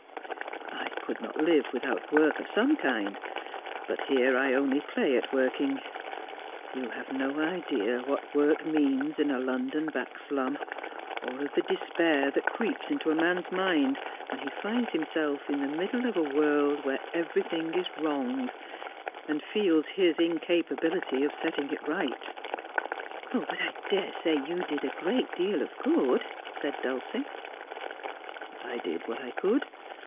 ' I could not live without work of some kind ; but here I only 260 Just as I Am play at working. You have no idea what work means in a London back slum — or of the despair that creeps into a man's mind when he finds himself in the middle of a world where everything is wrong, and feels his incapability of setting it right' ' But I dare say you did a great deal of good %' said Dulcie ' I did what I could.